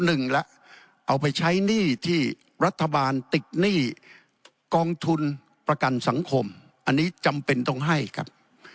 เอาไปใช้หนี้ที่รัฐบาลติดหนี้กองทุนประกันสังคมอันนี้จำเป็นต้องให้ครับ